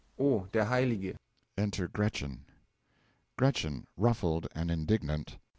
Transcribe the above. O der heilige Enter GRETCHEN. GRETCHEN (Ruffled and indignant.)